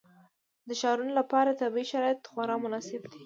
د ښارونو لپاره طبیعي شرایط خورا مناسب دي.